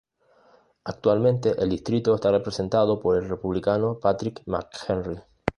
Actualmente el distrito está representado por el Republicano Patrick McHenry.